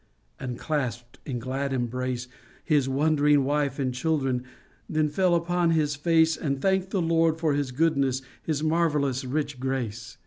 " and clasped in glad embrace His wondering wife and children, then fell upon his face And thanked the Lord for his goodness, his mar vellous, rich grace.